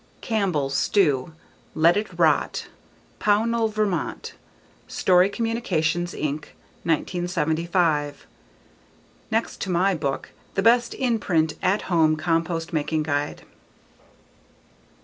Campbell, Stu. _Let It Rot! _Pownal, Vermont: Storey Communications, Inc., 1975. Next to my book, the best in print at home compost making guide.